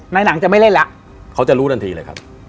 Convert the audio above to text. ในหนังจะไม่เล่นละ